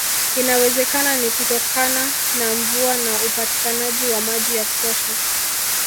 Inawezekana ni kutokana na mvua na upatikanaji wa maji ya kutosha